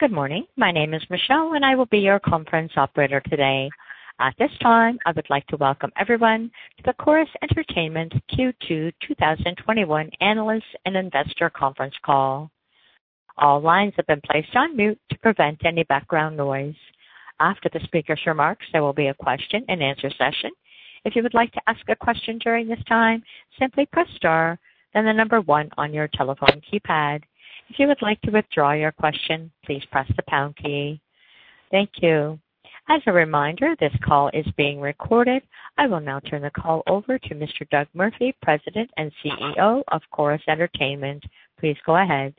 Good morning. My name is Michelle, and I will be your conference operator today. At this time, I would like to welcome everyone to the Corus Entertainment Q2 2021 analyst and investor conference call. All lines have been placed on mute to prevent any background noise. After the speaker's remarks, there will be a question-and-answer session. If you would like to ask a question during this time, simply press star, then the number one on your telephone keypad. If you would like to withdraw your question, please press the pound key. Thank you. As a reminder, this call is being recorded. I will now turn the call over to Mr. Doug Murphy, President and CEO of Corus Entertainment. Please go ahead.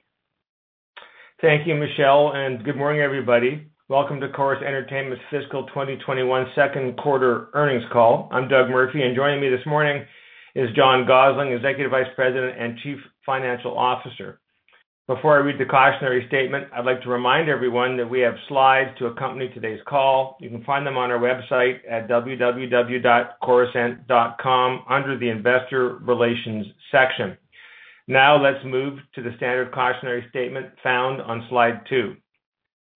Thank you, Michelle. Good morning, everybody. Welcome to Corus Entertainment fiscal 2021 second quarter earnings call. I'm Doug Murphy, and joining me this morning is John Gossling, Executive Vice President and Chief Financial Officer. Before I read the cautionary statement, I'd like to remind everyone that we have slides to accompany today's call. You can find them on our website at www.corusent.com under the Investor Relations section. Let's move to the standard cautionary statement found on slide two.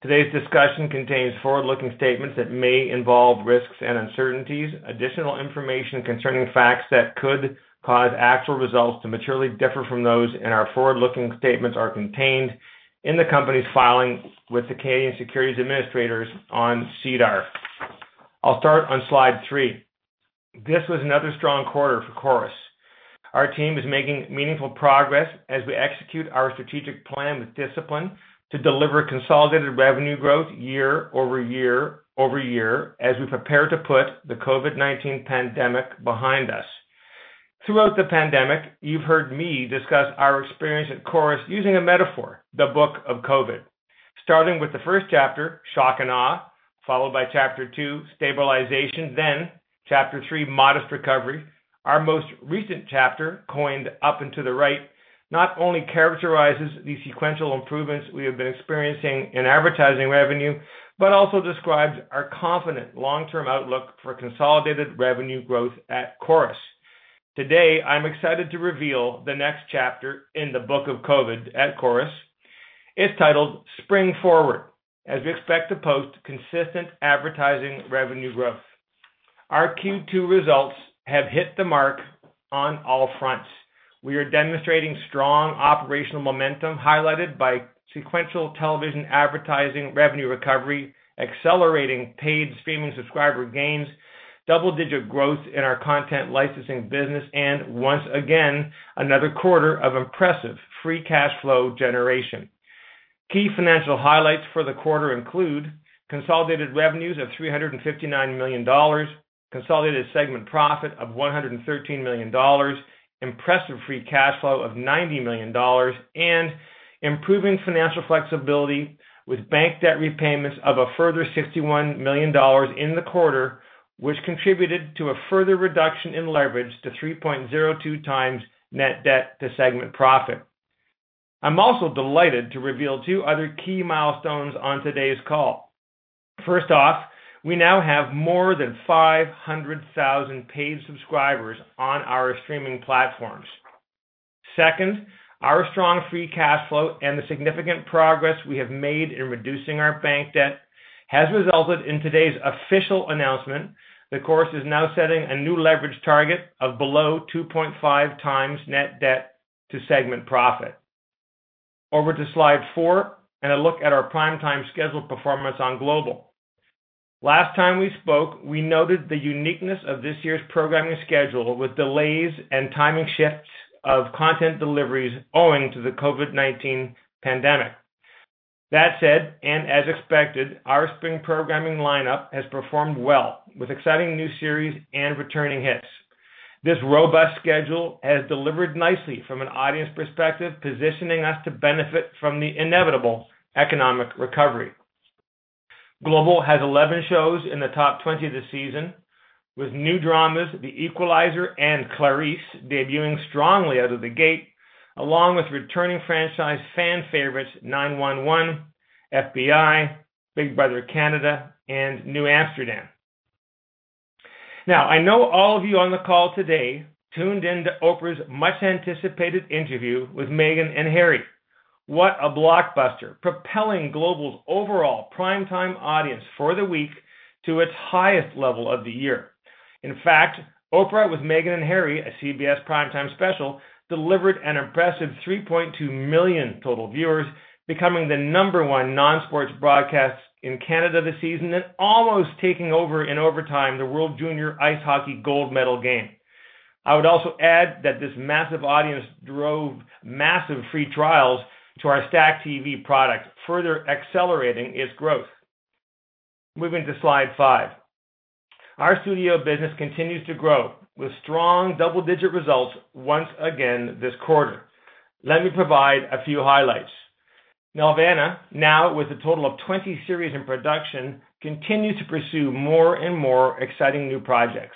Today's discussion contains forward-looking statements that may involve risks and uncertainties. Additional information concerning facts that could cause actual results to materially differ from those in our forward-looking statements are contained in the company's filing with the Canadian securities administrators on SEDAR. I'll start on slide three. This was another strong quarter for Corus. Our team is making meaningful progress as we execute our strategic plan with discipline to deliver consolidated revenue growth year over year, over year, as we prepare to put the COVID-19 pandemic behind us. Throughout the pandemic, you've heard me discuss our experience at Corus using a metaphor, the Book of COVID. Starting with the first chapter, Shock and Awe, followed by chapter two, Stabilization, then chapter three, Modest Recovery. Our most recent chapter, coined Up and to the Right, not only characterizes the sequential improvements we have been experiencing in advertising revenue, but also describes our confident long-term outlook for consolidated revenue growth at Corus. Today, I'm excited to reveal the next chapter in the Book of COVID at Corus. It's titled Spring Forward, as we expect to post consistent advertising revenue growth. Our Q2 results have hit the mark on all fronts. We are demonstrating strong operational momentum, highlighted by sequential television advertising revenue recovery, accelerating paid streaming subscriber gains, double-digit growth in our content licensing business, and once again, another quarter of impressive free cash flow generation. Key financial highlights for the quarter include consolidated revenues of 359 million dollars, consolidated segment profit of 113 million dollars, impressive free cash flow of 90 million dollars, and improving financial flexibility with bank debt repayments of a further 61 million dollars in the quarter, which contributed to a further reduction in leverage to 3.02x net debt to segment profit. I'm also delighted to reveal two other key milestones on today's call. First off, we now have more than 500,000 paid subscribers on our streaming platforms. Second, our strong free cash flow and the significant progress we have made in reducing our bank debt has resulted in today's official announcement that Corus is now setting a new leverage target of below 2.5x net debt to segment profit. Over to slide four and a look at our prime time schedule performance on Global. Last time we spoke, we noted the uniqueness of this year's programming schedule with delays and timing shifts of content deliveries owing to the COVID-19 pandemic. As expected, our spring programming lineup has performed well with exciting new series and returning hits. This robust schedule has delivered nicely from an audience perspective, positioning us to benefit from the inevitable economic recovery. Global has 11 shows in the top 20 this season, with new dramas The Equalizer and Clarice debuting strongly out of the gate, along with returning franchise fan favorites 9-1-1, FBI, Big Brother Canada, and New Amsterdam. I know all of you on the call today tuned in to Oprah's much-anticipated interview with Meghan and Harry. What a blockbuster. Propelling Global's overall prime time audience for the week to its highest level of the year. Oprah with Meghan and Harry, a CBS prime time special, delivered an impressive 3.2 million total viewers, becoming the number one non-sports broadcast in Canada this season and almost taking over in overtime the World Junior Ice Hockey Gold Medal game. I would also add that this massive audience drove massive free trials to our StackTV product, further accelerating its growth. Moving to slide five. Our studio business continues to grow with strong double-digit results once again this quarter. Let me provide a few highlights. Nelvana, now with a total of 20 series in production, continue to pursue more and more exciting new projects.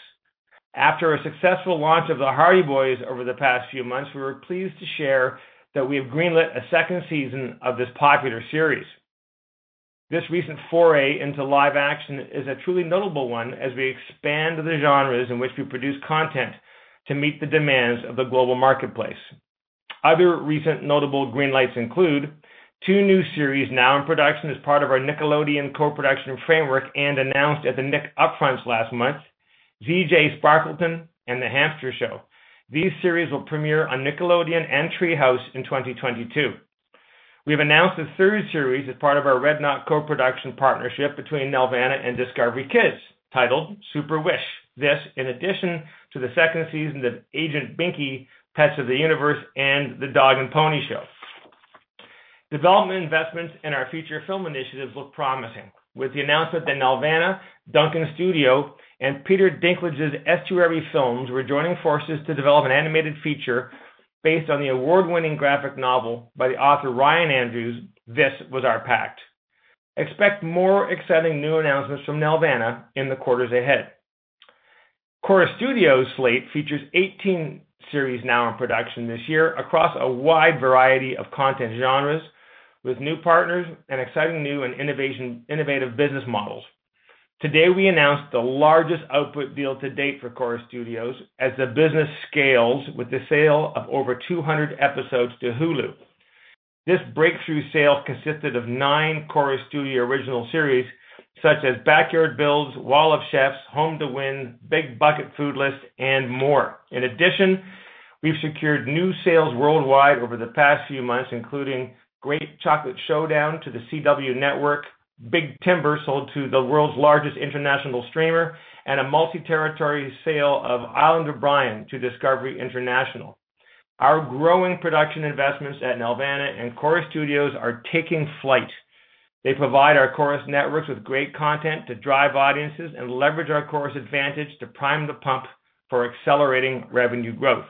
After a successful launch of The Hardy Boys over the past few months, we were pleased to share that we have greenlit a second season of this popular series. This recent foray into live action is a truly notable one as we expand the genres in which we produce content to meet the demands of the global marketplace. Other recent notable green lights include two new series now in production as part of our Nickelodeon co-production framework and announced at the Nick Upfronts last month, ZJ Sparkleton and The Hamster Show. These series will premiere on Nickelodeon and Treehouse in 2022. We have announced a third series as part of our redknot co-production partnership between Nelvana and Discovery Kids, titled Super Wish. This in addition to the second season of Agent Binky: Pets of the Universe, and The Dog & Pony Show. Development investments in our future film initiatives look promising, with the announcement that Nelvana, Duncan Studio, and Peter Dinklage's Estuary Films were joining forces to develop an animated feature based on the award-winning graphic novel by the author Ryan Andrews, This Was Our Pact. Expect more exciting new announcements from Nelvana in the quarters ahead. Corus Studios' slate features 18 series now in production this year across a wide variety of content genres, with new partners and exciting new and innovative business models. Today, we announced the largest output deal to date for Corus Studios as the business scales with the sale of over 200 episodes to Hulu. This breakthrough sale consisted of nine Corus Studios original series, such as Backyard Builds, Wall of Chefs, Home to Win, Big Food Bucket List, and more. We've secured new sales worldwide over the past few months, including Great Chocolate Showdown to The CW Network, Big Timber sold to the world's largest international streamer, and a multi-territory sale of Island of Bryan to Discovery International. Our growing production investments at Nelvana and Corus Studios are taking flight. They provide our Corus networks with great content to drive audiences and leverage our Corus advantage to prime the pump for accelerating revenue growth.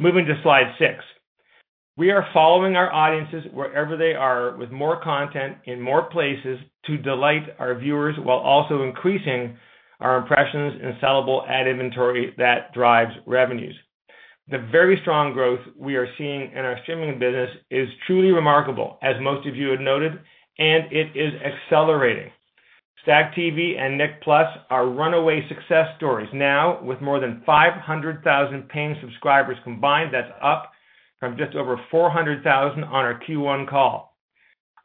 Moving to slide six. We are following our audiences wherever they are with more content in more places to delight our viewers while also increasing our impressions and sellable ad inventory that drives revenues. The very strong growth we are seeing in our streaming business is truly remarkable, as most of you have noted, and it is accelerating. StackTV and Nick+ are runaway success stories now with more than 500,000 paying subscribers combined. That's up from just over 400,000 on our Q1 call.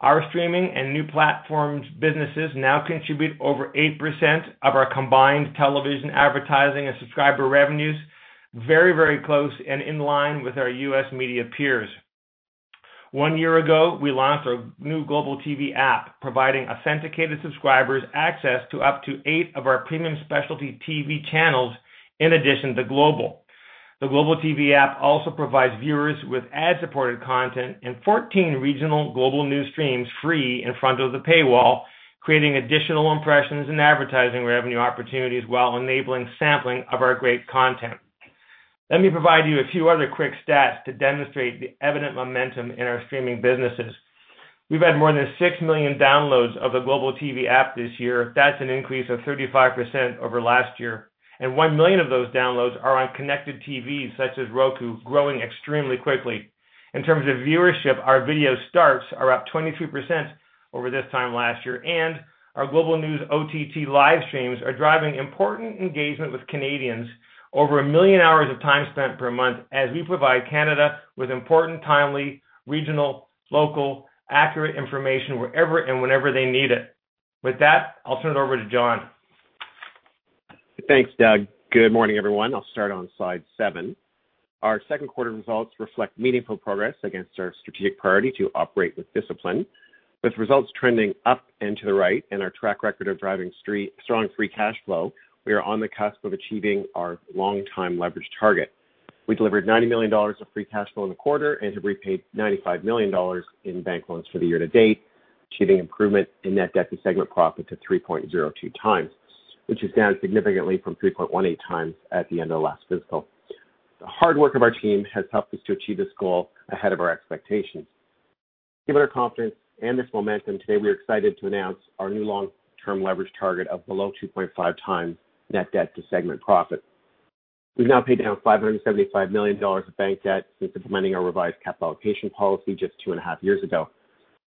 Our streaming and new platforms businesses now contribute over 8% of our combined television advertising and subscriber revenues, very, very close and in line with our U.S. media peers. One year ago, we launched our new Global TV App, providing authenticated subscribers access to up to eight of our premium specialty TV channels in addition to Global. The Global TV App also provides viewers with ad-supported content and 14 regional Global News streams free in front of the paywall, creating additional impressions and advertising revenue opportunities while enabling sampling of our great content. Let me provide you a few other quick stats to demonstrate the evident momentum in our streaming businesses. We've had more than 6 million downloads of the Global TV App this year. That's an increase of 35% over last year, and 1 million of those downloads are on connected TVs such as Roku, growing extremely quickly. In terms of viewership, our video starts are up 22% over this time last year, and our Global News OTT live streams are driving important engagement with Canadians over 1 million hours of time spent per month as we provide Canada with important, timely, regional, local, accurate information wherever and whenever they need it. With that, I'll turn it over to John. Thanks, Doug. Good morning, everyone. I'll start on slide seven. Our second quarter results reflect meaningful progress against our strategic priority to operate with discipline. With results trending up and to the right and our track record of driving strong free cash flow, we are on the cusp of achieving our long-time leverage target. We delivered 90 million dollars of free cash flow in the quarter and have repaid 95 million dollars in bank loans for the year to date, achieving improvement in net debt to segment profit to 3.02x, which is down significantly from 3.18x at the end of last fiscal. The hard work of our team has helped us to achieve this goal ahead of our expectations. Given our confidence and this momentum, today we are excited to announce our new long-term leverage target of below 2.5x net debt to segment profit. We have now paid down 575 million dollars of bank debt since implementing our revised capital allocation policy just 2.5 years ago.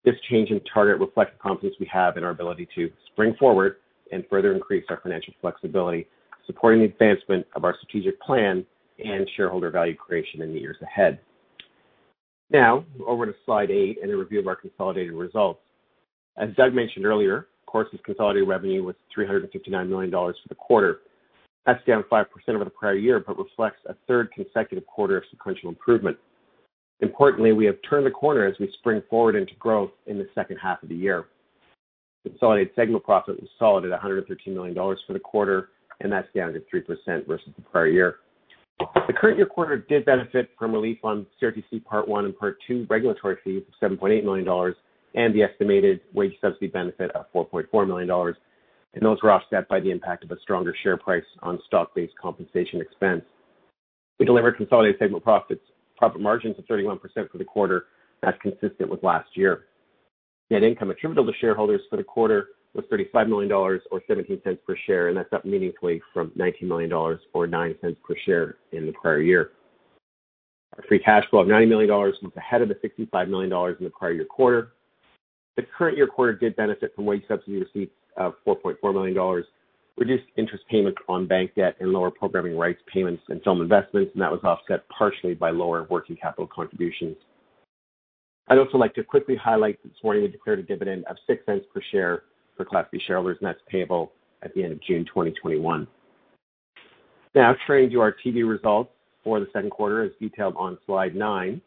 This change in target reflects the confidence we have in our ability to spring forward and further increase our financial flexibility, supporting the advancement of our strategic plan and shareholder value creation in the years ahead. Over to slide eight and a review of our consolidated results. As Doug mentioned earlier, Corus's consolidated revenue was 359 million dollars for the quarter. That is down 5% over the prior year, but reflects a third consecutive quarter of sequential improvement. Importantly, we have turned the corner as we spring forward into growth in the second half of the year. Consolidated segment profit was solid at 113 million dollars for the quarter, that's down to 3% versus the prior year. The current year quarter did benefit from relief on CRTC Part I and Part II regulatory fees of 7.8 million dollars and the estimated wage subsidy benefit of 4.4 million dollars, those were offset by the impact of a stronger share price on stock-based compensation expense. We delivered consolidated segment profit margins of 31% for the quarter. That's consistent with last year. Net income attributable to shareholders for the quarter was 35 million dollars or 0.17 per share, that's up meaningfully from 19 million dollars or 0.09 per share in the prior year. Our free cash flow of 90 million dollars was ahead of the 65 million dollars in the prior year quarter. The current year quarter did benefit from wage subsidy received of 4.4 million dollars, reduced interest payments on bank debt and lower programming rights payments and film investments, and that was offset partially by lower working capital contributions. I'd also like to quickly highlight this morning we declared a dividend of 0.06 per share for Class B shareholders, and that's payable at the end of June 2021. Turning to our TV results for the second quarter as detailed on slide nine.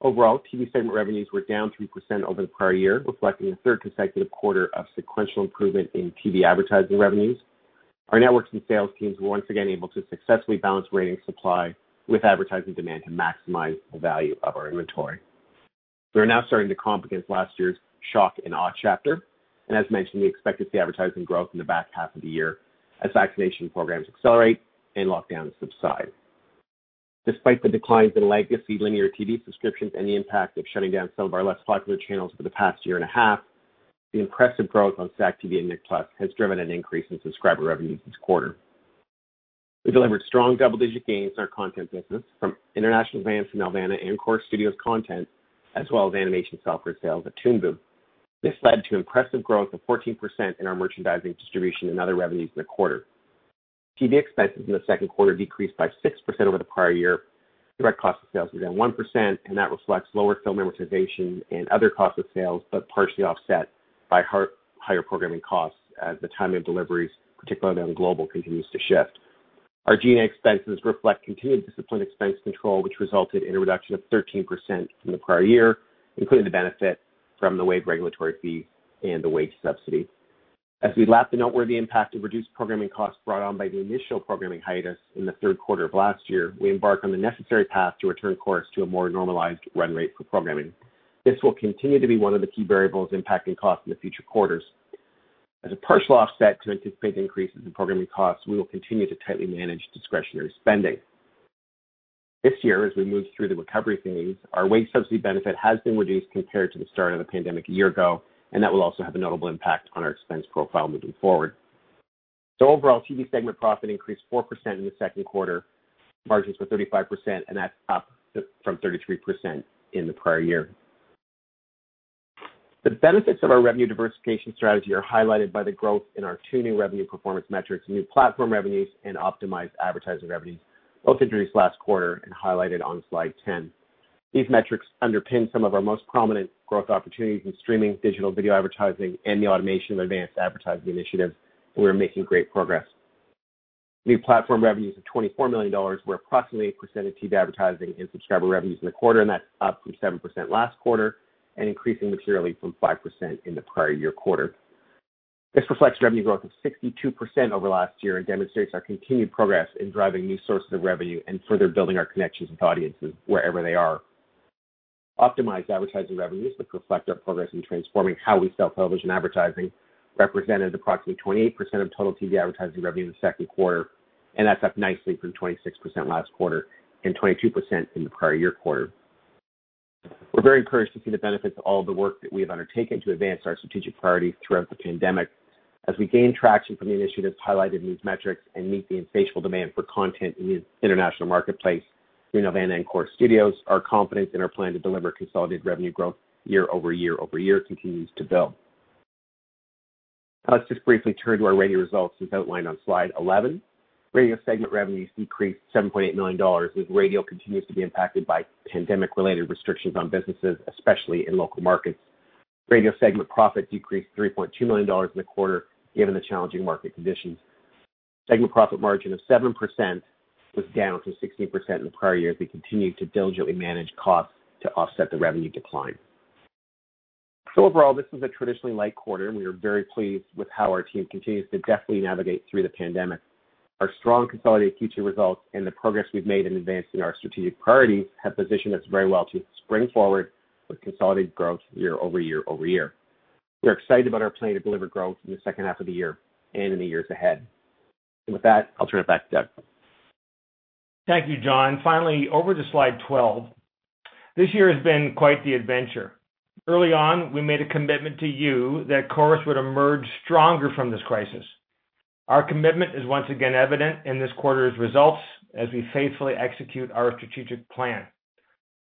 Overall, TV segment revenues were down 3% over the prior year, reflecting a third consecutive quarter of sequential improvement in TV advertising revenues. Our networks and sales teams were once again able to successfully balance rating supply with advertising demand to maximize the value of our inventory. We are now starting to compensate last year's shock and awe chapter, and as mentioned, we expect to see advertising growth in the back half of the year as vaccination programs accelerate and lockdowns subside. Despite the declines in legacy linear TV subscriptions and the impact of shutting down some of our less popular channels over the past year and a half, the impressive growth on StackTV and Nick+ has driven an increase in subscriber revenue this quarter. We delivered strong double-digit gains in our content business from international advance from Nelvana and Corus Studios content, as well as animation software sales at Toon Boom. This led to impressive growth of 14% in our merchandising distribution and other revenues in the quarter. TV expenses in the second quarter decreased by 6% over the prior year. That reflects lower film amortization and other costs of sales, partially offset by higher programming costs as the timing of deliveries, particularly on Global, continues to shift. Our G&A expenses reflect continued disciplined expense control, which resulted in a reduction of 13% from the prior year, including the benefit from the waived regulatory fees and the wage subsidy. As we lap the noteworthy impact of reduced programming costs brought on by the initial programming hiatus in the third quarter of last year, we embark on the necessary path to return Corus to a more normalized run rate for programming. This will continue to be one of the key variables impacting costs in the future quarters. As a partial offset to anticipate increases in programming costs, we will continue to tightly manage discretionary spending. This year, as we move through the recovery phase, our wage subsidy benefit has been reduced compared to the start of the pandemic a year ago. That will also have a notable impact on our expense profile moving forward. Overall, TV segment profit increased 4% in the second quarter. Margins were 35%. That's up from 33% in the prior year. The benefits of our revenue diversification strategy are highlighted by the growth in our two new revenue performance metrics, New Platform Revenues and Optimized Advertising Revenues, both introduced last quarter. Highlighted on slide 10. These metrics underpin some of our most prominent growth opportunities in streaming, digital video advertising, and the automation of advanced advertising initiatives. We're making great progress. New platform revenues of 24 million dollars were approximately 8% of TV advertising and subscriber revenues in the quarter. That's up from 7% last quarter and increasing materially from 5% in the prior year quarter. This reflects revenue growth of 62% over last year and demonstrates our continued progress in driving new sources of revenue and further building our connections with audiences wherever they are. Optimized advertising revenues, which reflect our progress in transforming how we sell television advertising, represented approximately 28% of total TV advertising revenue in the second quarter. That's up nicely from 26% last quarter and 22% in the prior year quarter. We're very encouraged to see the benefits of all the work that we have undertaken to advance our strategic priorities throughout the pandemic. As we gain traction from the initiatives highlighted in these metrics and meet the insatiable demand for content in the international marketplace through Nelvana and Corus Studios, our confidence in our plan to deliver consolidated revenue growth year over year over year continues to build. Let's just briefly turn to our radio results as outlined on slide 11. Radio segment revenues decreased 7.8 million dollars, as radio continues to be impacted by pandemic-related restrictions on businesses, especially in local markets. Radio segment profit decreased 3.2 million dollars in the quarter given the challenging market conditions. Segment profit margin of 7% was down from 16% in the prior year as we continue to diligently manage costs to offset the revenue decline. Overall, this was a traditionally light quarter, and we are very pleased with how our team continues to deftly navigate through the pandemic. Our strong consolidated Q2 results and the progress we've made in advancing our strategic priorities have positioned us very well to spring forward with consolidated growth year-over-year. We're excited about our plan to deliver growth in the second half of the year and in the years ahead. With that, I'll turn it back to Doug. Thank you, John. Finally, over to slide 12. This year has been quite the adventure. Early on, we made a commitment to you that Corus would emerge stronger from this crisis. Our commitment is once again evident in this quarter's results as we faithfully execute our strategic plan.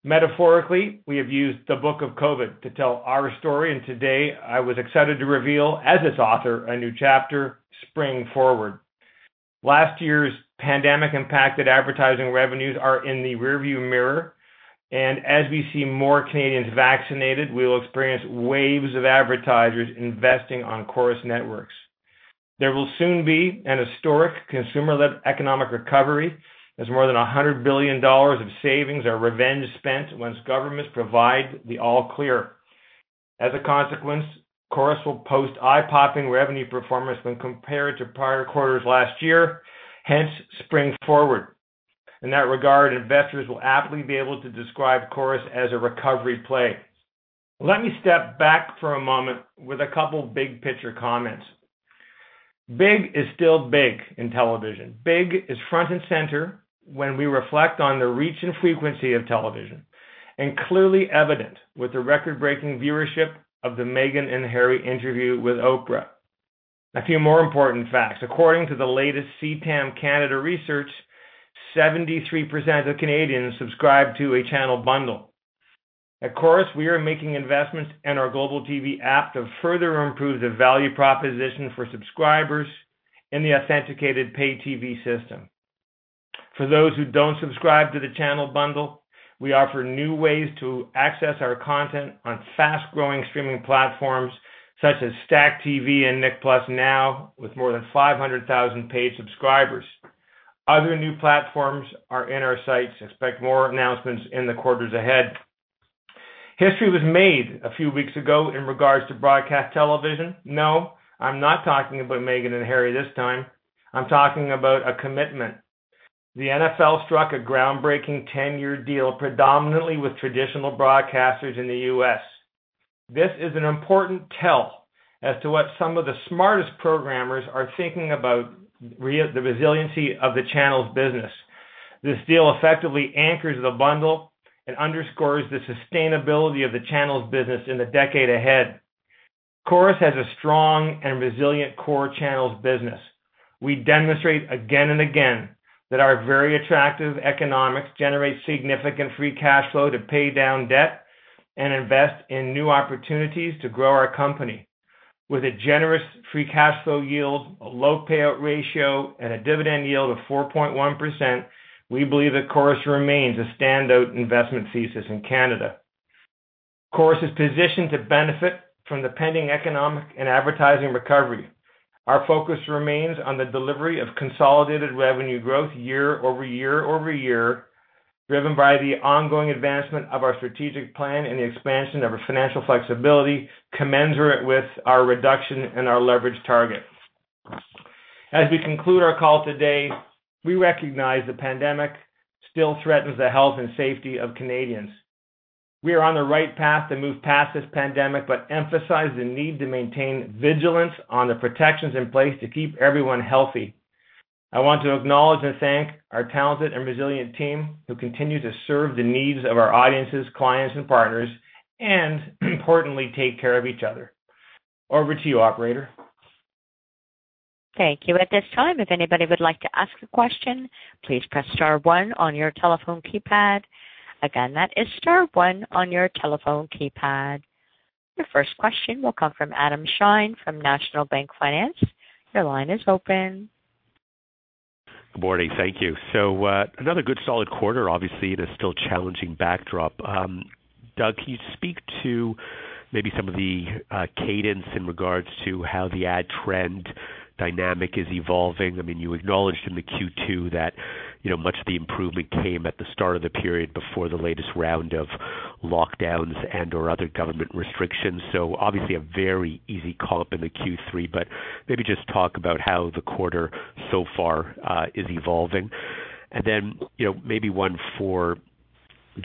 Metaphorically, we have used the Book of COVID to tell our story, and today I was excited to reveal, as its author, a new chapter, Spring Forward. Last year's pandemic-impacted advertising revenues are in the rearview mirror, and as we see more Canadians vaccinated, we will experience waves of advertisers investing on Corus networks. There will soon be an historic consumer-led economic recovery as more than 100 billion dollars of savings are revenge spent once governments provide the all clear. As a consequence, Corus will post eye-popping revenue performance when compared to prior quarters last year, hence Spring Forward. In that regard, investors will aptly be able to describe Corus as a recovery play. Let me step back for a moment with a couple big picture comments. Big is still big in television. Big is front and center when we reflect on the reach and frequency of television, and clearly evident with the record-breaking viewership of the Meghan and Harry interview with Oprah. A few more important facts. According to the latest CTAM Canada research, 73% of Canadians subscribe to a channel bundle. At Corus, we are making investments in our Global TV App to further improve the value proposition for subscribers in the authenticated pay TV system. For those who don't subscribe to the channel bundle, we offer new ways to access our content on fast-growing streaming platforms such as StackTV and Nick+ Now, with more than 500,000 paid subscribers. Other new platforms are in our sights. Expect more announcements in the quarters ahead. History was made a few weeks ago in regards to broadcast television. No, I'm not talking about Meghan and Harry this time. I'm talking about a commitment. The NFL struck a groundbreaking 10-year deal predominantly with traditional broadcasters in the U.S. This is an important tell as to what some of the smartest programmers are thinking about the resiliency of the channels business. This deal effectively anchors the bundle and underscores the sustainability of the channels business in the decade ahead. Corus has a strong and resilient core channels business. We demonstrate again and again that our very attractive economics generate significant free cash flow to pay down debt and invest in new opportunities to grow our company. With a generous free cash flow yield, a low payout ratio, and a dividend yield of 4.1%, we believe that Corus remains a standout investment thesis in Canada. Corus is positioned to benefit from the pending economic and advertising recovery. Our focus remains on the delivery of consolidated revenue growth year over year, driven by the ongoing advancement of our strategic plan and the expansion of our financial flexibility commensurate with our reduction in our leverage targets. As we conclude our call today, we recognize the pandemic still threatens the health and safety of Canadians. We are on the right path to move past this pandemic, emphasize the need to maintain vigilance on the protections in place to keep everyone healthy. I want to acknowledge and thank our talented and resilient team, who continue to serve the needs of our audiences, clients, and partners, and importantly, take care of each other. Over to you, operator. Thank you. At this time, if anybody would like to ask a question, please press star one on your telephone keypad. Again, that is star one on your telephone keypad. Your first question will come from Adam Shine from National Bank Financial. Your line is open. Good morning. Thank you. Another good solid quarter, obviously, it is still challenging backdrop. Doug, can you speak to maybe some of the cadence in regards to how the ad trend dynamic is evolving? I mean, you acknowledged in the Q2 that, you know, much of the improvement came at the start of the period before the latest round of lockdowns and or other government restrictions. Obviously a very easy call up in the Q3, but maybe just talk about how the quarter so far is evolving. You know, maybe one for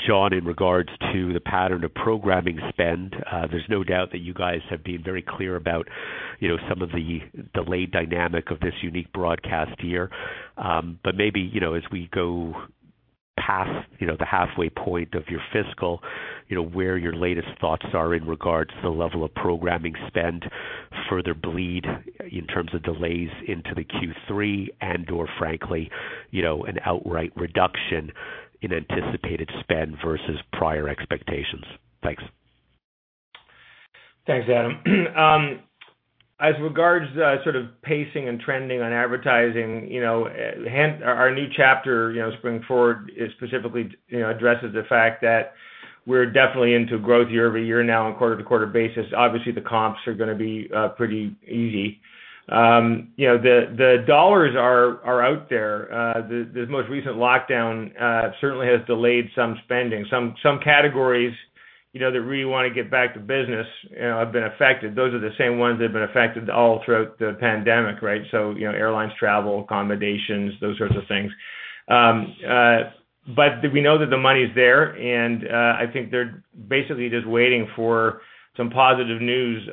John in regards to the pattern of programming spend. There's no doubt that you guys have been very clear about, you know, some of the delayed dynamic of this unique broadcast year. Maybe, you know, as we go past, you know, the halfway point of your fiscal, you know, where your latest thoughts are in regards to the level of programming spend further bleed in terms of delays into the Q3 and or frankly, you know, an outright reduction in anticipated spend versus prior expectations. Thanks. Thanks, Adam. As regards the sort of pacing and trending on advertising, you know, our new chapter, you know, Spring Forward is specifically, you know, addresses the fact that we're definitely into growth year-over-year now on a quarter-to-quarter basis. Obviously, the comps are gonna be pretty easy. You know, the dollars are out there. This most recent lockdown certainly has delayed some spending. Some categories, you know, that really wanna get back to business, you know, have been affected. Those are the same ones that have been affected all throughout the pandemic, right? You know, airlines, travel, accommodations, those sorts of things. We know that the money's there, and I think they're basically just waiting for some positive news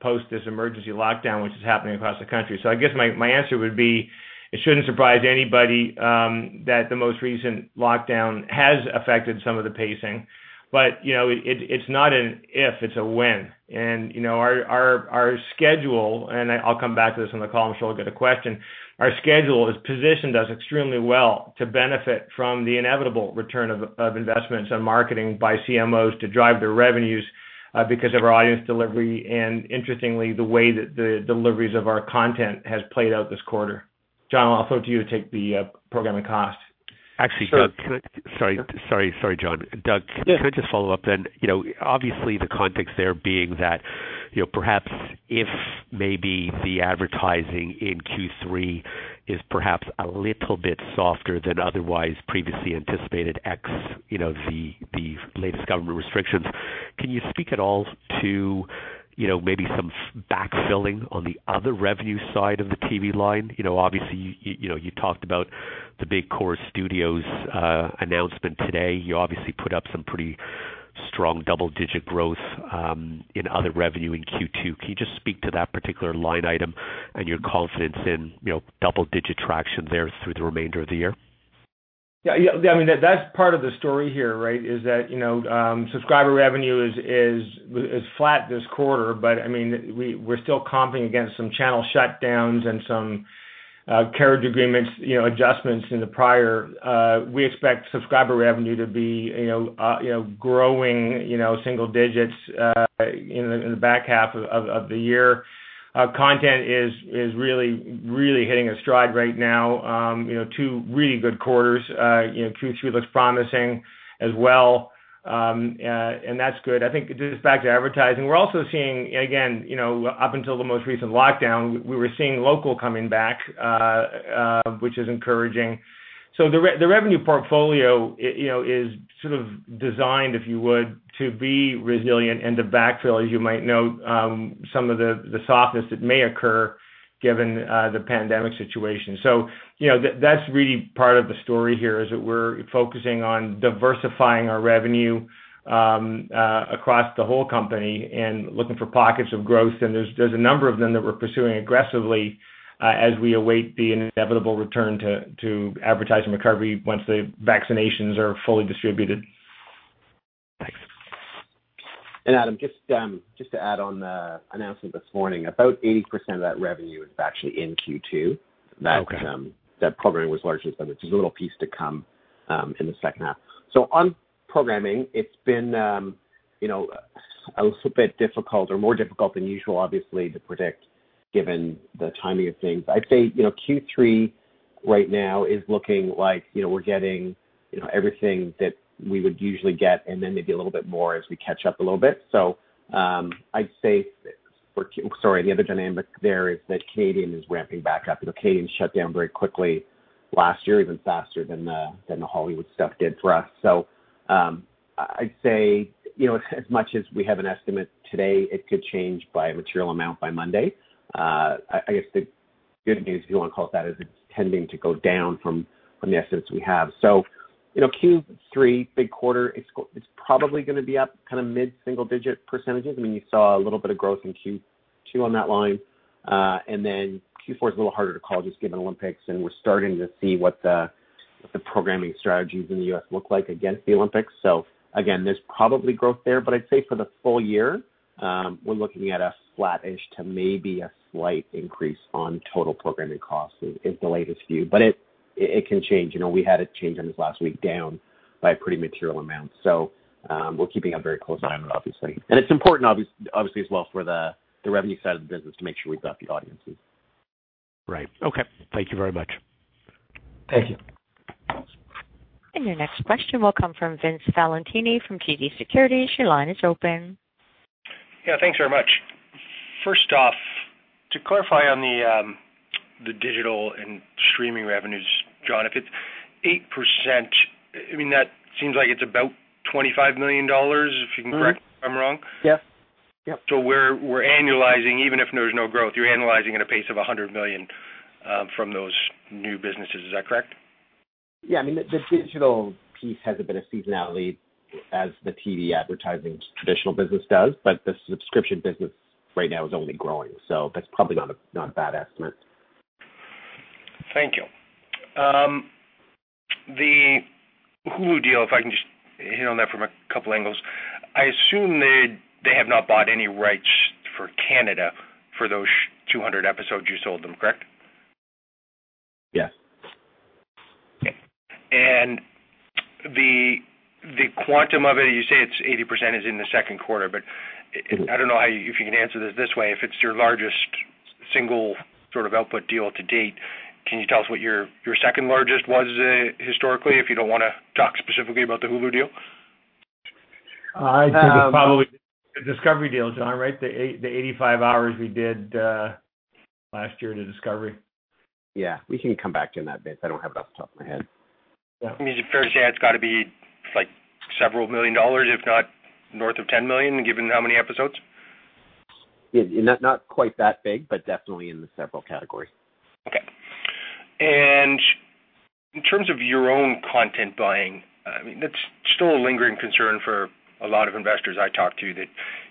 post this emergency lockdown, which is happening across the country. I guess my answer would be, it shouldn't surprise anybody that the most recent lockdown has affected some of the pacing, but it's not an if, it's a when. Our schedule, and I'll come back to this on the call, I'm sure I'll get a question, our schedule has positioned us extremely well to benefit from the inevitable return of investments and marketing by CMOs to drive their revenues because of our audience delivery and interestingly, the way that the deliveries of our content has played out this quarter. John, I'll throw to you to take the programming cost. Actually, Doug, Sorry, John. Doug. Yeah. Can I just follow up then? You know, obviously the context there being that, you know, perhaps if maybe the advertising in Q3 is perhaps a little bit softer than otherwise previously anticipated ex, you know, the latest government restrictions, can you speak at all to, you know, maybe some backfilling on the other revenue side of the TV line? You know, obviously you know, you talked about the big Corus Studios announcement today. You obviously put up some pretty strong double-digit growth in other revenue in Q2. Can you just speak to that particular line item and your confidence in, you know, double-digit traction there through the remainder of the year? Yeah, yeah. I mean, that's part of the story here, right? Is that, you know, subscriber revenue is flat this quarter, but I mean, we're still comping against some channel shutdowns and some carriage agreements, you know, adjustments in the prior. We expect subscriber revenue to be, you know, growing, you know, single digits in the back half of the year. Content is really, really hitting a stride right now. You know, two really good quarters. You know, Q3 looks promising as well. That's good. I think just back to advertising, we're also seeing again, you know, up until the most recent lockdown, we were seeing local coming back, which is encouraging. The revenue portfolio, you know, is sort of designed, if you would, to be resilient and to backfill, as you might note, some of the softness that may occur given the pandemic situation. You know, that's really part of the story here, is that we're focusing on diversifying our revenue across the whole company and looking for pockets of growth. There's a number of them that we're pursuing aggressively, as we await the inevitable return to advertising recovery once the vaccinations are fully distributed. Thanks. Adam, just to add on the announcement this morning, about 80% of that revenue is actually in Q2. Okay. That program was largely spent, which is a little piece to come in the second half. On programming, it's been, you know, a little bit difficult or more difficult than usual, obviously, to predict given the timing of things. I'd say, you know, Q3 right now is looking like, you know, we're getting, you know, everything that we would usually get and then maybe a little bit more as we catch up a little bit. I'd say, the other dynamic there is that Canadian is ramping back up. You know, Canadian shut down very quickly last year, even faster than the Hollywood stuff did for us. I'd say, you know, as much as we have an estimate today, it could change by a material amount by Monday. I guess the good news, if you want to call it that, is it's tending to go down from the estimates we have. You know, Q3, big quarter, it's probably gonna be up kind of mid-single digit percentage. I mean, you saw a little bit of growth in Q2 on that line. Then Q4 is a little harder to call just given Olympics, and we're starting to see what the, what the programming strategies in the U.S. look like against the Olympics. Again, there's probably growth there, but I'd say for the full year, we're looking at a flat-ish to maybe a slight increase on total programming costs is the latest view. It, it can change. You know, we had it change in this last week down by a pretty material amount. We're keeping a very close eye on it, obviously. It's important, obviously, as well for the revenue side of the business to make sure we've got the audiences. Right. Okay. Thank you very much. Thank you. Your next question will come from Vince Valentini from TD Securities. Your line is open. Yeah, thanks very much. First off, to clarify on the digital and streaming revenues, John, if it's 8%, I mean, that seems like it's about 25 million dollars, if you can correct me if I'm wrong. Yeah. Yep. We're annualizing, even if there's no growth, you're annualizing at a pace of 100 million from those new businesses. Is that correct? Yeah. I mean, the digital piece has a bit of seasonality as the TV advertising traditional business does, but the subscription business right now is only growing. That's probably not a bad estimate. Thank you. The Hulu deal, if I can just hit on that from a couple angles. I assume they have not bought any rights for Canada for those 200 episodes you sold them, correct? Yes. Okay. The quantum of it, you say it's 80% is in the second quarter. I don't know if you can answer this this way, if it's your largest single sort of output deal to date, can you tell us what your second largest was, historically, if you don't wanna talk specifically about the Hulu deal? I think it's probably the Discovery deal, John, right? The 85 hours we did last year to Discovery. Yeah, we can come back to you on that, Vince. I don't have it off the top of my head. Yeah. I mean, it's fair to say it's got to be like several million dollars, if not north of 10 million, given how many episodes. Yeah. Not quite that big, but definitely in the several category. Okay. In terms of your own content buying, I mean, that's still a lingering concern for a lot of investors I talk to, that,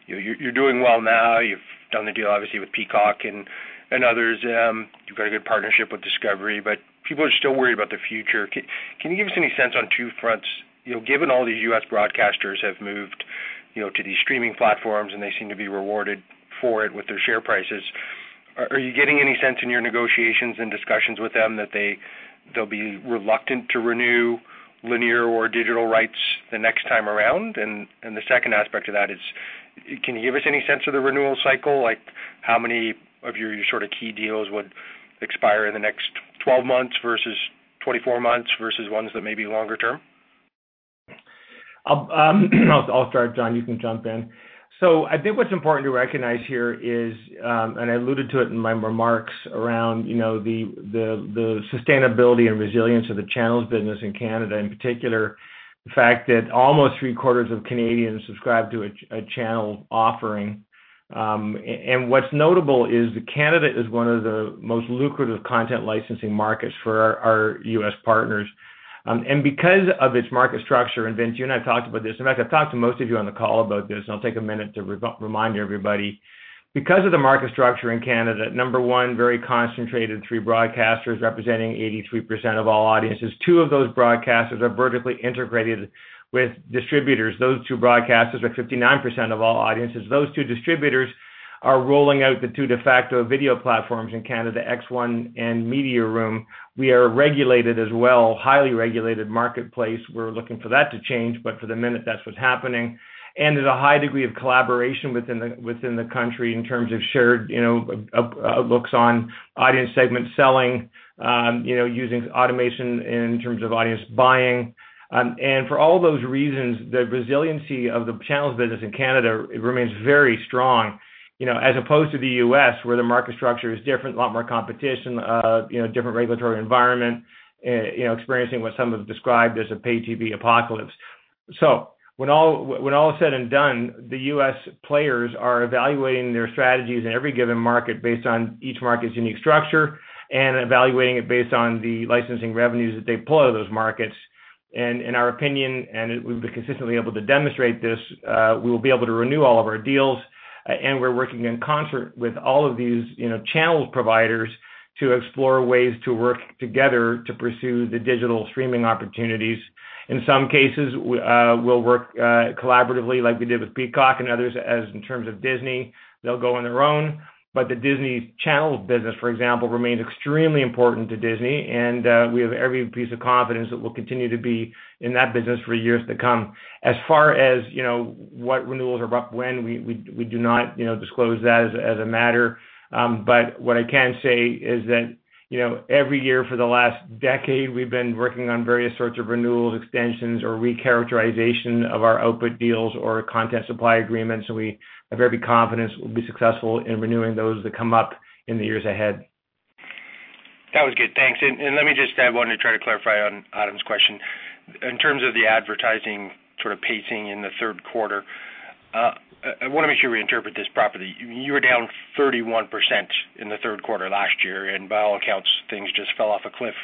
you know, you're doing well now. You've done the deal, obviously, with Peacock and others. You've got a good partnership with Discovery, but people are still worried about the future. Can you give us any sense on two fronts? You know, given all the U.S. broadcasters have moved, you know, to these streaming platforms, and they seem to be rewarded for it with their share prices, are you getting any sense in your negotiations and discussions with them that they'll be reluctant to renew linear or digital rights the next time around? The second aspect of that is, can you give us any sense of the renewal cycle? Like, how many of your sort of key deals would expire in the next 12 months versus 24 months versus ones that may be longer term? I'll start, John. You can jump in. I think what's important to recognize here is, I alluded to it in my remarks around, you know, the sustainability and resilience of the channels business in Canada, in particular, the fact that almost 3/4 of Canadians subscribe to a channel offering. What's notable is that Canada is one of the most lucrative content licensing markets for our U.S. partners. Because of its market structure, Vince, you and I have talked about this. In fact, I've talked to most of you on the call about this, I'll take a minute to remind everybody, because of the market structure in Canada, number one, very concentrated three broadcasters representing 83% of all audiences. Two of those broadcasters are vertically integrated with distributors. Those two broadcasters are 59% of all audiences. Those two distributors are rolling out the two de facto video platforms in Canada, X1 and Mediaroom. We are regulated as well, highly regulated marketplace. We're looking for that to change, but for the minute, that's what's happening. There's a high degree of collaboration within the country in terms of shared, you know, looks on audience segment selling, you know, using automation in terms of audience buying. For all those reasons, the resiliency of the channels business in Canada remains very strong, you know, as opposed to the U.S., where the market structure is different, a lot more competition, you know, different regulatory environment, you know, experiencing what some have described as a pay TV apocalypse. When all is said and done, the U.S. players are evaluating their strategies in every given market based on each market's unique structure and evaluating it based on the licensing revenues that they pull out of those markets. In our opinion, and we've been consistently able to demonstrate this, we will be able to renew all of our deals, and we're working in concert with all of these, you know, channels providers to explore ways to work together to pursue the digital streaming opportunities. In some cases, we'll work collaboratively like we did with Peacock and others. As in terms of Disney, they'll go on their own. The Disney Channel business, for example, remains extremely important to Disney, and we have every piece of confidence that we'll continue to be in that business for years to come. As far as, you know, what renewals are up when, we do not, you know, disclose that as a matter. What I can say is that, you know, every year for the last decade, we've been working on various sorts of renewals, extensions, or recharacterization of our output deals or content supply agreements, and we have every confidence we'll be successful in renewing those that come up in the years ahead. That was good. Thanks. Let me just add one to try to clarify on Adam's question. In terms of the advertising sort of pacing in the third quarter, I wanna make sure we interpret this properly. You were down 31% in the third quarter last year, and by all accounts, things just fell off a cliff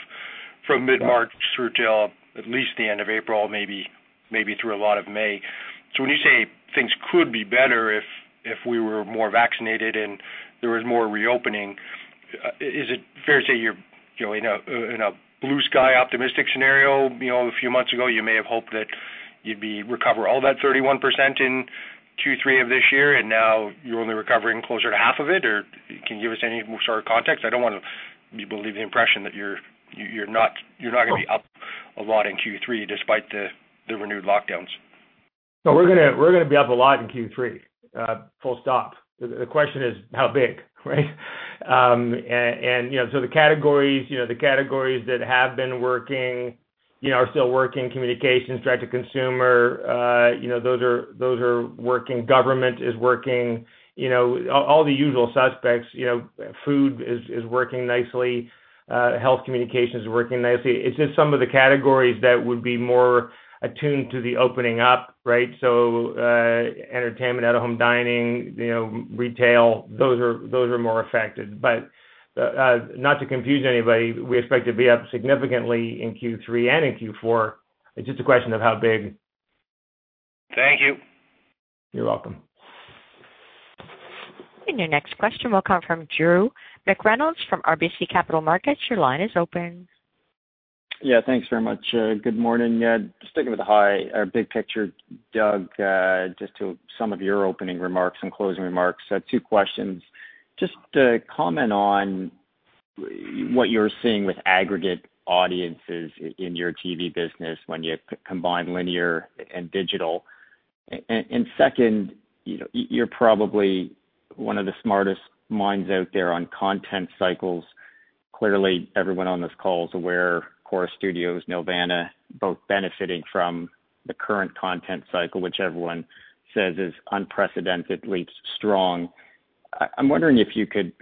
from mid-March through till at least the end of April, maybe through a lot of May. When you say things could be better if we were more vaccinated and there was more reopening, is it fair to say you're, you know, in a blue sky optimistic scenario? You know, a few months ago, you may have hoped that you'd be recover all that 31% in Q3 of this year, and now you're only recovering closer to half of it? Can you give us any more sort of context? I don't want to leave the impression that you're not gonna be up a lot in Q3 despite the renewed lockdowns. We're gonna be up a lot in Q3. Full stop. The question is how big, right? You know, the categories, you know, the categories that have been working, you know, are still working. Communications, direct to consumer, you know, those are working. Government is working. You know, all the usual suspects. You know, food is working nicely. Health communications is working nicely. It's just some of the categories that would be more attuned to the opening up, right? Entertainment, out of home dining, you know, retail, those are more affected. Not to confuse anybody, we expect to be up significantly in Q3 and in Q4. It's just a question of how big. Thank you. You're welcome. Your next question will come from Drew McReynolds from RBC Capital Markets. Your line is open. Yeah, thanks very much. Good morning. Sticking with the high, big picture, Doug, just to some of your opening remarks and closing remarks, two questions. Just a comment on what you're seeing with aggregate audiences in your TV business when you combine linear and digital. Second, you know, you're probably one of the smartest minds out there on content cycles. Clearly, everyone on this call is aware Corus Studios, Nelvana, both benefiting from the current content cycle, which everyone says is unprecedented, at least strong. I'm wondering if you could,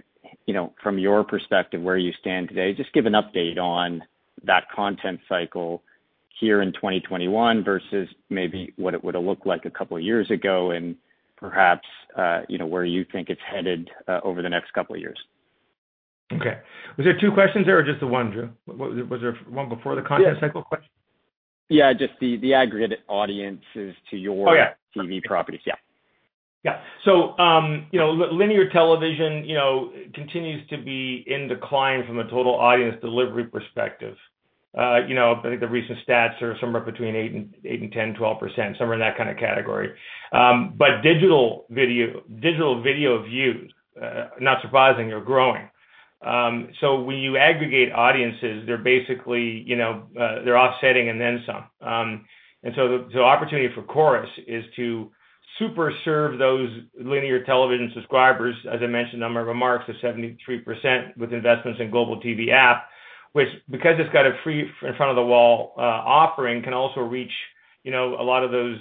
you know, from your perspective, where you stand today, just give an update on that content cycle here in 2021 versus maybe what it would've looked like a couple years ago and perhaps, you know, where you think it's headed over the next couple of years. Okay. Was there two questions there or just the one, Drew? Was there one before the content cycle question? Yeah, just the aggregate audiences to your TV properties. Yeah. Oh, yeah. You know, linear television, you know, continues to be in decline from a total audience delivery perspective. You know, I think the recent stats are somewhere between 8% and 10%, 12%, somewhere in that kind of category. Digital video views, not surprising, are growing. When you aggregate audiences, they're basically, you know, they're offsetting and then some. The opportunity for Corus is to super serve those linear television subscribers, as I mentioned in one of my remarks, the 73% with investments in Global TV App, which because it's got a free in front of the wall offering, can also reach, you know, a lot of those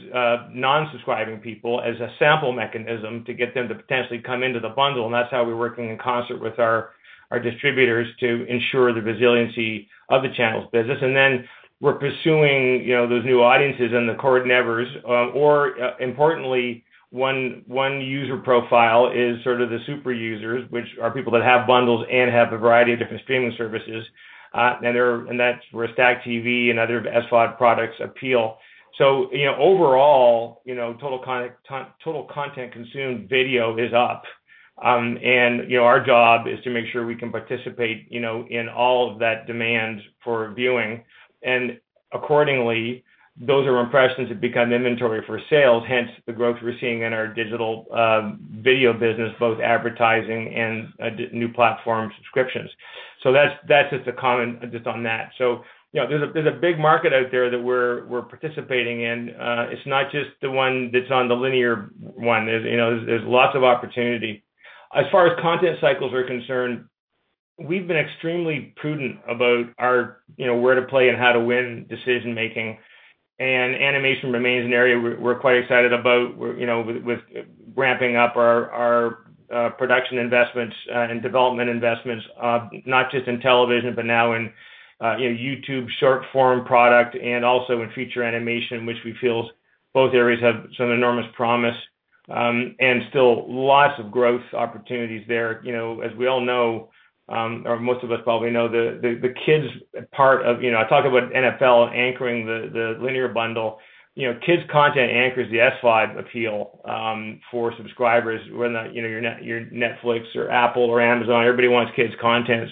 non-subscribing people as a sample mechanism to get them to potentially come into the bundle, and that's how we're working in concert with our distributors to ensure the resiliency of the channels business. Then we're pursuing, you know, those new audiences and the cord-nevers. Importantly, one user profile is sort of the super users, which are people that have bundles and have a variety of different streaming services. And that's where StackTV and other SVOD products appeal. You know, total content consumed video is up. You know, our job is to make sure we can participate, you know, in all of that demand for viewing. Accordingly, those are impressions that become inventory for sales, hence the growth we're seeing in our digital video business, both advertising and new platform subscriptions. That's just a comment just on that. You know, there's a big market out there that we're participating in. It's not just the one that's on the linear one. You know, there's lots of opportunity. As far as content cycles are concerned, we've been extremely prudent about our, you know, where to play and how to win decision-making. Animation remains an area we're quite excited about. We're, you know, with ramping up our production investments and development investments, not just in television, but now in, you know, YouTube short form product and also in feature animation, which we feel both areas have some enormous promise and still lots of growth opportunities there. You know, as we all know, or most of us probably know, I talk about NFL anchoring the linear bundle. You know, kids content anchors the SVOD appeal for subscribers whether or not, you know, your Netflix or Apple or Amazon. Everybody wants kids content.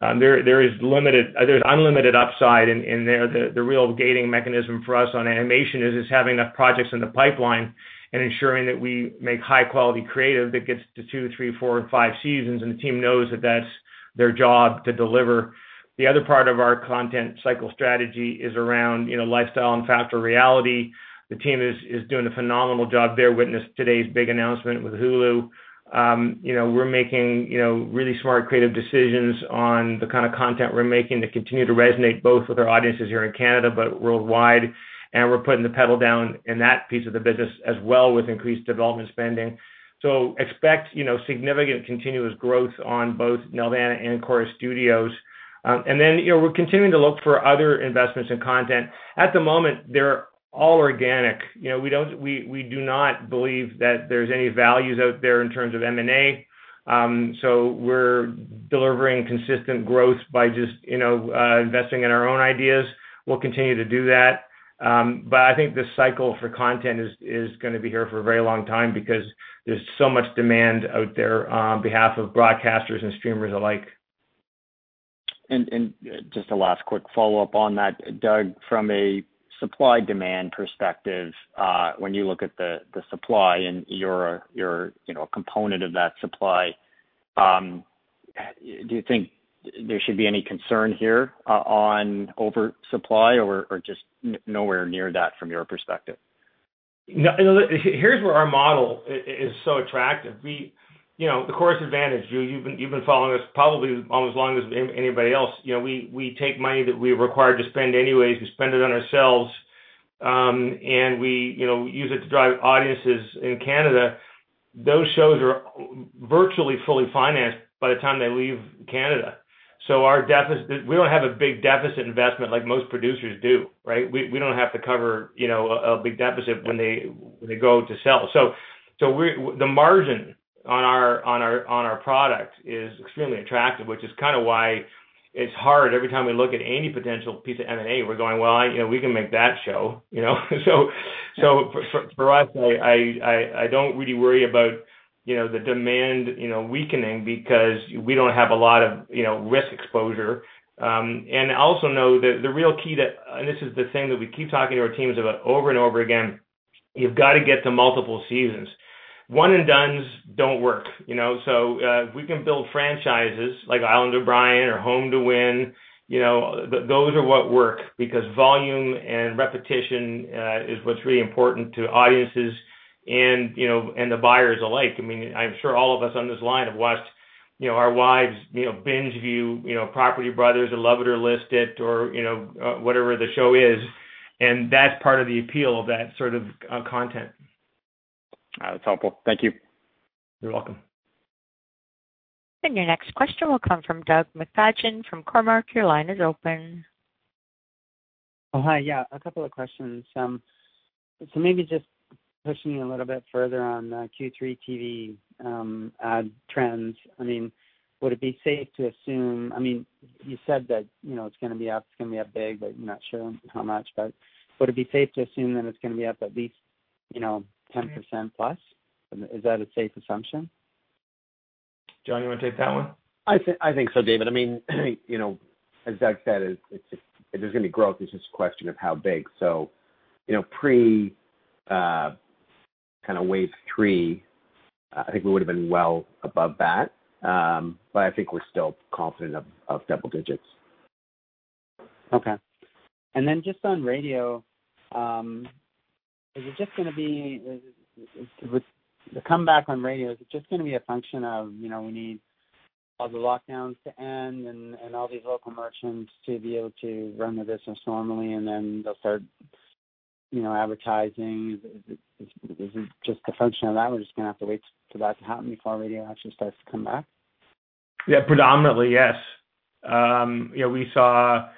There's unlimited upside in there. The real gating mechanism for us on animation is having enough projects in the pipeline and ensuring that we make high quality creative that gets to two, three, four, five seasons, and the team knows that that's their job to deliver. The other part of our content cycle strategy is around lifestyle and factual reality. The team is doing a phenomenal job there. Witness today's big announcement with Hulu. We're making really smart creative decisions on the kind of content we're making to continue to resonate both with our audiences here in Canada, but worldwide. We're putting the pedal down in that piece of the business as well with increased development spending. Expect significant continuous growth on both Nelvana and Corus Studios. You know, we're continuing to look for other investments in content. At the moment, they're all organic. You know, we do not believe that there's any values out there in terms of M&A. We're delivering consistent growth by just, you know, investing in our own ideas. We'll continue to do that. I think this cycle for content is gonna be here for a very long time because there's so much demand out there, behalf of broadcasters and streamers alike. Just a last quick follow-up on that, Doug, from a supply-demand perspective, when you look at the supply and your, you know, component of that supply, do you think there should be any concern here on oversupply or just nowhere near that from your perspective? No. Here's where our model is so attractive. You know, the Corus advantage. You, you've been following us probably almost as long as anybody else. You know, we take money that we're required to spend anyways. We spend it on ourselves, and we, you know, use it to drive audiences in Canada. Those shows are virtually fully financed by the time they leave Canada. We don't have a big deficit investment like most producers do, right? We don't have to cover, you know, a big deficit when they go to sell. The margin on our product is extremely attractive, which is kinda why it's hard every time we look at any potential piece of M&A, we're going, "Well, you know, we can make that show." You know? For us, I don't really worry about, you know, the demand, you know, weakening because we don't have a lot of, you know, risk exposure. I also know that the real key, and this is the thing that we keep talking to our teams about over and over again. You've got to get to multiple seasons. One and dones don't work, you know? If we can build franchises like Island of Bryan or Home to Win, you know, those are what work because volume and repetition is what's really important to audiences and, you know, and the buyers alike. I mean, I'm sure all of us on this line have watched, you know, our wives, you know, binge view, you know, Property Brothers or Love It or List It or, you know, whatever the show is, and that's part of the appeal of that sort of content. That's helpful. Thank you. You're welcome. Your next question will come from David McFadgen from Cormark. Your line is open. Oh, hi. Yeah, a couple of questions. Maybe just pushing you a little bit further on the Q3 TV trends. I mean, would it be safe to assume, I mean, you said that, you know, it's gonna be up, it's gonna be up big, but you're not sure how much. Would it be safe to assume that it's gonna be up at least, you know, 10% plus? Is that a safe assumption? John, you wanna take that one? I think so, David. I mean, you know, as Doug said, it's just if there's gonna be growth, it's just a question of how big. You know, pre kind of wave 3, I think we would have been well above that. But I think we're still confident of double digits. Okay. Just on radio, with the comeback on radio, is it just gonna be a function of, you know, we need all the lockdowns to end and all these local merchants to be able to run their business normally and then they'll start, you know, advertising? Is it just a function of that? We're just gonna have to wait for that to happen before radio actually starts to come back? Yeah. Predominantly, yes. You know, we saw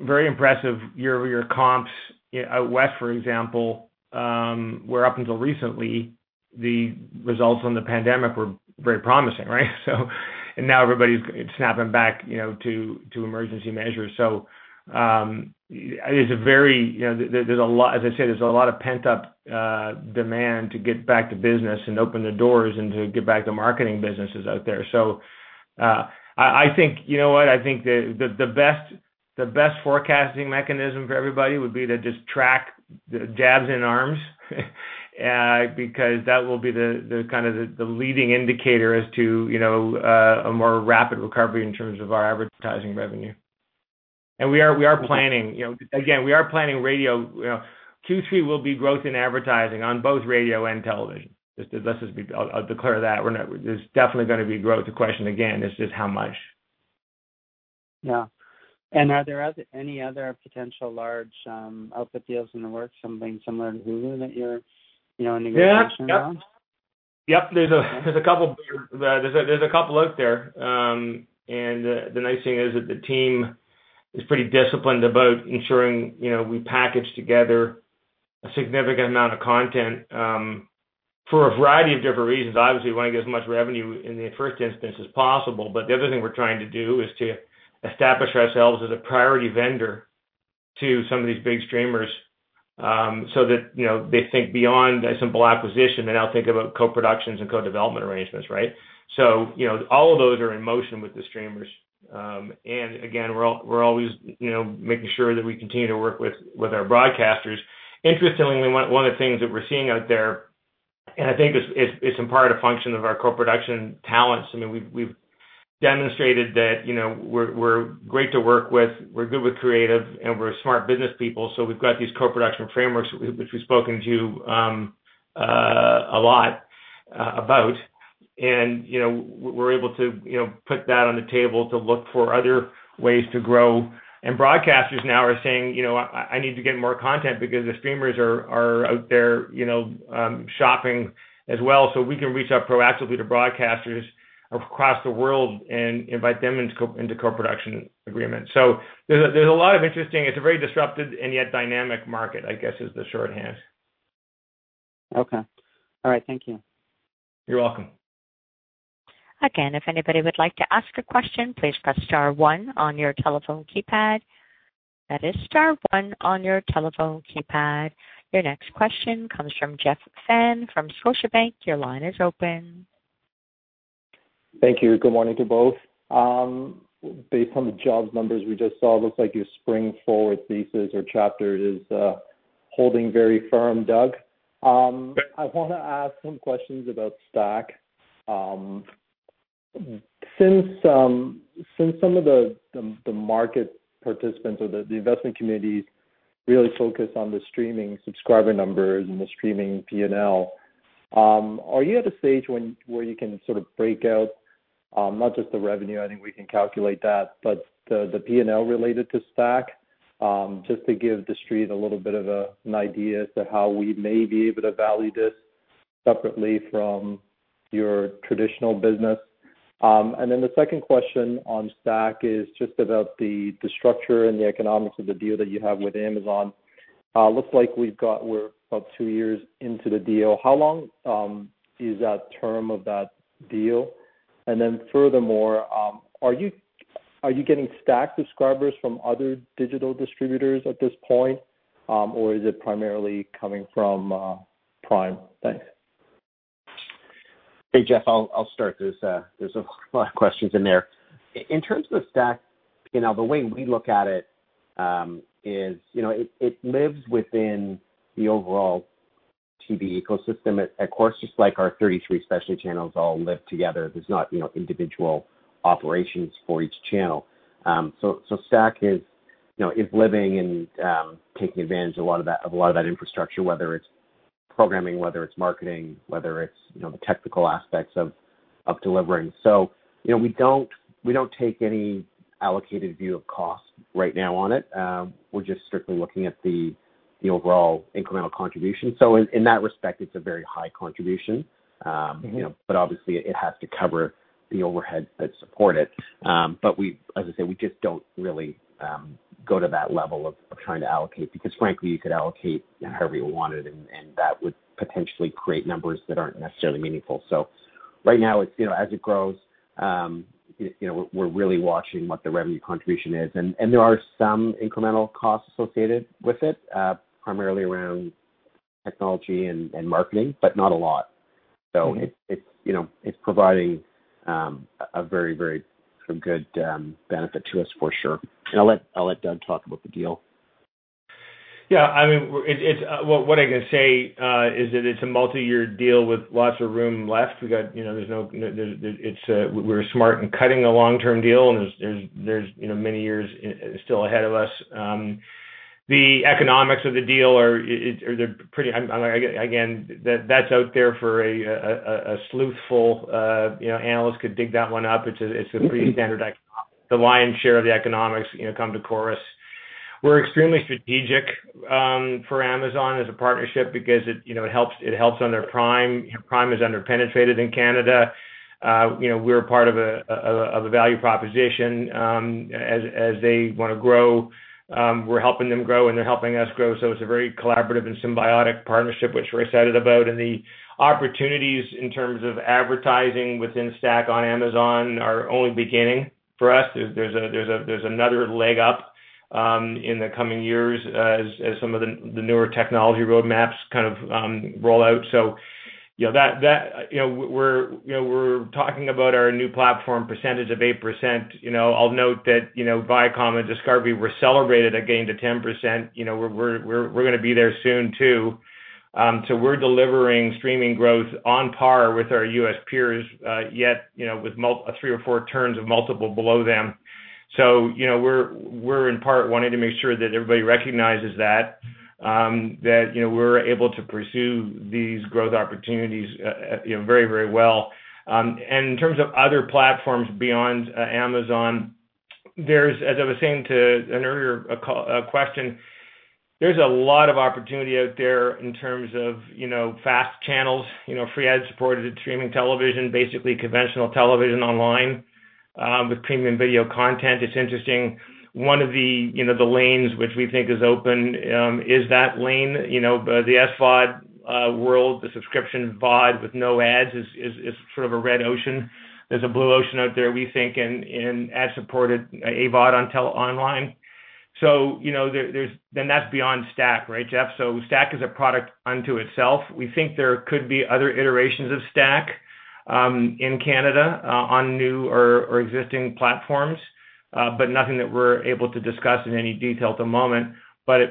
very impressive year-over-year comps out west, for example, where up until recently, the results from the pandemic were very promising, right? Now everybody's snapping back, you know, to emergency measures. It is a very, you know, there's a lot. As I said, there's a lot of pent-up demand to get back to business and open the doors and to get back to marketing businesses out there. I think, you know what? I think the best forecasting mechanism for everybody would be to just track the jabs in arms because that will be the kind of the leading indicator as to, you know, a more rapid recovery in terms of our advertising revenue. We are planning, you know, again, we are planning radio, you know, Q3 will be growth in advertising on both radio and television. Let's just be. I'll declare that. There's definitely gonna be growth. The question again is just how much. Yeah. Are there any other potential large output deals in the works, something similar to Hulu that you're, you know, in negotiation around? Yeah. Yep. Yep. There's a couple out there. The nice thing is that the team is pretty disciplined about ensuring, you know, we package together a significant amount of content for a variety of different reasons. Obviously, we wanna get as much revenue in the first instance as possible. The other thing we're trying to do is to establish ourselves as a priority vendor to some of these big streamers, so that, you know, they think beyond a simple acquisition. They now think about co-productions and co-development arrangements, right? All of those are in motion with the streamers. Again, we're always, you know, making sure that we continue to work with our broadcasters. Interestingly, one of the things that we're seeing out there, and I think it's in part a function of our co-production talents. I mean, we've demonstrated that, you know, we're great to work with, we're good with creative, and we're smart businesspeople, so we've got these co-production frameworks which we've spoken to a lot about. You know, we're able to, you know, put that on the table to look for other ways to grow. Broadcasters now are saying, you know, I need to get more content because the streamers are out there, you know, shopping as well. We can reach out proactively to broadcasters across the world and invite them into co-production agreements. There's a lot of, it's a very disrupted and yet dynamic market, I guess is the shorthand. Okay. All right. Thank you. You're welcome. Again, if anybody would like to ask a question, please press star one on your telephone keypad. That is star one on your telephone keypad. Your next question comes from Jeff Fan from Scotiabank. Your line is open. Thank you. Good morning to both. Based on the jobs numbers we just saw, looks like your spring forward thesis or chapter is holding very firm, Doug. I want to ask some questions about StackTV. Since some of the market participants or the investment community really focus on the streaming subscriber numbers and the streaming P&L, are you at a stage where you can sort of break out not just the revenue, I think we can calculate that, but the P&L related to StackTV, just to give the street a little bit of an idea as to how we may be able to value this separately from your traditional business? The second question on StackTV is just about the structure and the economics of the deal that you have with Amazon. Looks like we're about two years into the deal. How long is that term of that deal? Furthermore, are you getting Stack subscribers from other digital distributors at this point, or is it primarily coming from, Prime? Thanks. Hey, Jeff, I'll start. There's a lot of questions in there. In terms of StackTV P&L, the way we look at it, you know, it lives within the overall TV ecosystem. Of course, just like our 33 specialty channels all live together, there's not, you know, individual operations for each channel. StackTV is, you know, is living and taking advantage of a lot of that infrastructure, whether it's programming, whether it's marketing, whether it's, you know, the technical aspects of delivering. You know, we don't take any allocated view of cost right now on it. We're just strictly looking at the overall incremental contribution. In that respect, it's a very high contribution. You know, obviously it has to cover the overhead that support it. As I said, we just don't really go to that level of trying to allocate because frankly, you could allocate however you wanted and that would potentially create numbers that aren't necessarily meaningful. Right now it's, you know, as it grows, you know, we're really watching what the revenue contribution is. There are some incremental costs associated with it, primarily around technology and marketing, but not a lot. It's, you know, it's providing a very good benefit to us for sure. I'll let Doug talk about the deal. Yeah. I mean, what I can say is that it's a multi-year deal with lots of room left. We got, you know, it's we were smart in cutting a long-term deal. There's, you know, many years still ahead of us. The economics of the deal are, they're pretty again, that's out there for a sleuthful, you know, analyst could dig that one up. It's a pretty standard economic. The lion's share of the economics, you know, come to Corus. We're extremely strategic for Amazon as a partnership because it, you know, it helps on their Prime. You know, Prime is under-penetrated in Canada. You know, we're part of a, of a value proposition, as they wanna grow, we're helping them grow, and they're helping us grow. It's a very collaborative and symbiotic partnership, which we're excited about. The opportunities in terms of advertising within Stack on Amazon are only beginning for us. There's another leg up in the coming years as some of the newer technology roadmaps kind of roll out. You know, we're talking about our new platform percentage of 8%, you know. I'll note that, you know, Viacom and Discovery were celebrated at getting to 10%. You know, we're gonna be there soon too. We're delivering streaming growth on par with our U.S. peers, yet, you know, with three or four turns of multiple below them. You know, we're in part wanting to make sure that everybody recognizes that, you know, we're able to pursue these growth opportunities, you know, very, very well. In terms of other platforms beyond Amazon, there's, as I was saying to an earlier question, there's a lot of opportunity out there in terms of, you know, fast channels. You know, free ad-supported streaming television, basically conventional television online, with premium video content. It's interesting. One of the, you know, the lanes which we think is open, is that lane, you know. The SVOD world, the subscription VOD with no ads is sort of a red ocean. There's a blue ocean out there, we think in ad-supported AVOD on online. You know, there's that's beyond StackTV, right, Jeff? StackTV is a product unto itself. We think there could be other iterations of StackTV in Canada on new or existing platforms, but nothing that we're able to discuss in any detail at the moment.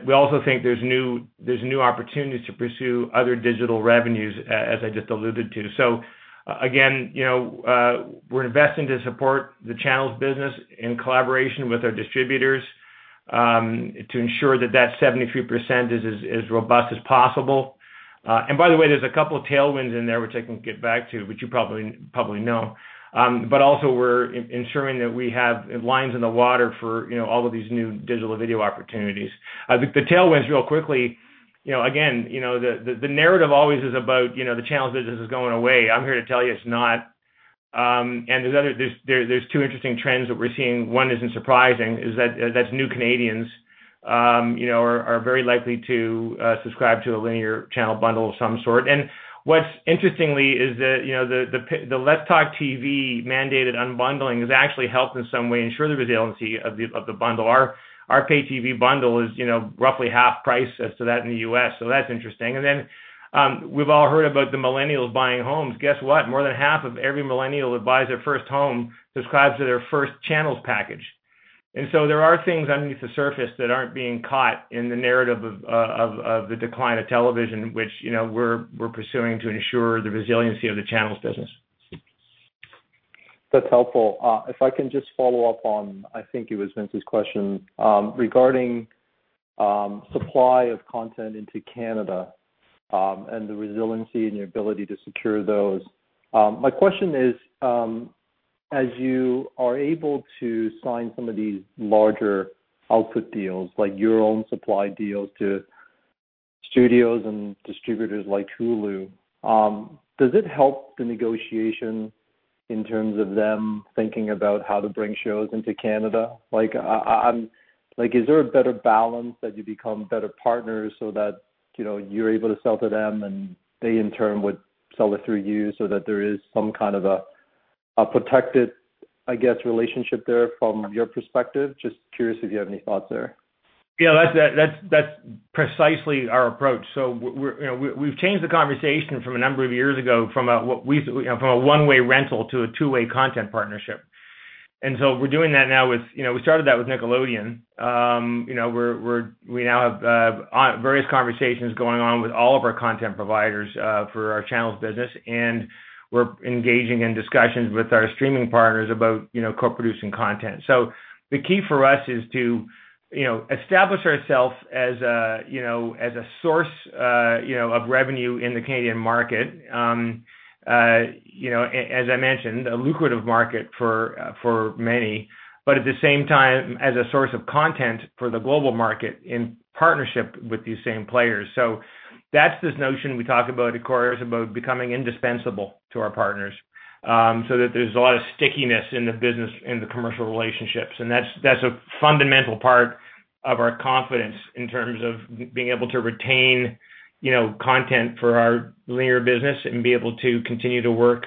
We also think there's new opportunities to pursue other digital revenues as I just alluded to. Again, you know, we're investing to support the channels business in collaboration with our distributors to ensure that that 73% is as robust as possible. By the way, there's a couple of tailwinds in there which I can get back to, but you probably know. Also we're ensuring that we have lines in the water for, you know, all of these new digital video opportunities. The tailwinds, real quickly, you know, again, you know, the narrative always is about, you know, the channels business is going away. I'm here to tell you it's not. There's two interesting trends that we're seeing, one isn't surprising, is that's new Canadians, you know, are very likely to subscribe to a linear channel bundle of some sort. What's interestingly is that, you know, the Let's Talk TV mandated unbundling has actually helped in some way ensure the resiliency of the bundle. Our pay TV bundle is, you know, roughly half price as to that in the U.S., so that's interesting. We've all heard about the millennials buying homes. Guess what? More than half of every millennial that buys their first home subscribes to their first channels package. There are things underneath the surface that aren't being caught in the narrative of the decline of television, which, you know, we're pursuing to ensure the resiliency of the channels business. That's helpful. If I can just follow up on, I think it was Vince's question, regarding supply of content into Canada, and the resiliency and the ability to secure those. My question is, as you are able to sign some of these larger output deals, like your own supply deals to studios and distributors like Hulu, does it help the negotiation in terms of them thinking about how to bring shows into Canada? Is there a better balance as you become better partners so that, you know, you're able to sell to them and they in turn would sell it through you so that there is some kind of a protected, I guess, relationship there from your perspective? Just curious if you have any thoughts there. Yeah. That's precisely our approach. We've changed the conversation from a number of years ago from a one-way rental to a two-way content partnership. We're doing that now with We started that with Nickelodeon. We now have various conversations going on with all of our content providers for our channels business, and we're engaging in discussions with our streaming partners about co-producing content. The key for us is to establish ourselves as a source of revenue in the Canadian market. You know, as I mentioned, a lucrative market for many, but at the same time, as a source of content for the global market in partnership with these same players. That's this notion we talk about at Corus, about becoming indispensable to our partners, so that there's a lot of stickiness in the business, in the commercial relationships. That's, that's a fundamental part of our confidence in terms of being able to retain, you know, content for our linear business and be able to continue to work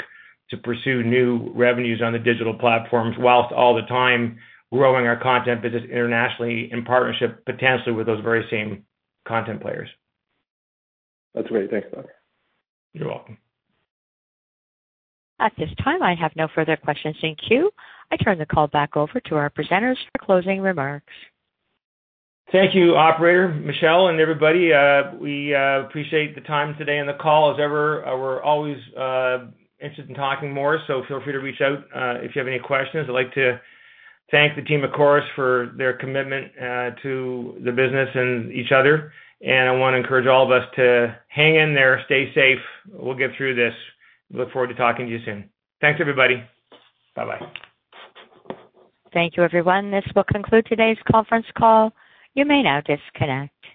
to pursue new revenues on the digital platforms, whilst all the time growing our content business internationally in partnership, potentially with those very same content players. That's great. Thanks, Doug. You're welcome. At this time, I have no further questions in queue. I turn the call back over to our presenters for closing remarks. Thank you, operator, Michelle, and everybody. We appreciate the time today on the call. As ever, we're always interested in talking more, so feel free to reach out if you have any questions. I'd like to thank the team of Corus for their commitment to the business and each other. I wanna encourage all of us to hang in there, stay safe. We'll get through this. Look forward to talking to you soon. Thanks, everybody. Bye-bye. Thank you, everyone. This will conclude today's conference call. You may now disconnect.